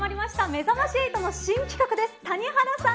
めざまし８の新企画